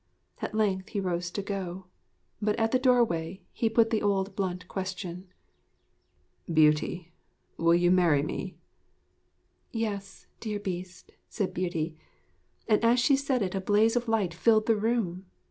At length he rose to go. But at the doorway he put the old blunt question. 'Beauty, will you marry me?' 'Yes, dear Beast,' said Beauty; and as she said it a blaze of light filled the room.